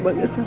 pada saat lu